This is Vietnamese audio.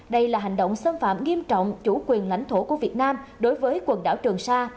đây là hành động xâm phạm nghiêm trọng chủ quyền lãnh thổ của việt nam đối với quần đảo trường sa